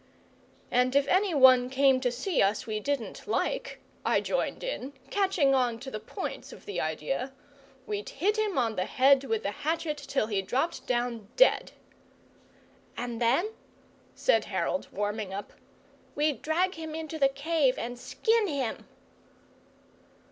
"And if anyone came to see us we didn't like," I joined in, catching on to the points of the idea, "we'd hit him on the head with the hatchet till he dropped down dead." "And then," said Harold, warming up, "we'd drag him into the cave and SKIN HIM!"